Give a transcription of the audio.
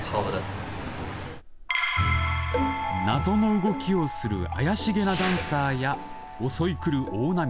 謎の動きをする怪しげなダンサーや襲い来る大波。